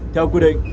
theo quy định